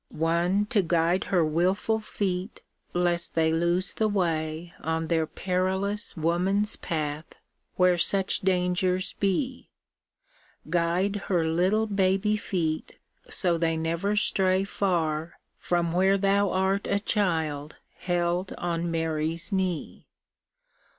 One to guide her wilful feet lest they lose the way On their perilous woman's path, where such dangers be; Guide her little baby feet so they never stray Far from where Thou art a Child held on Mary's knee.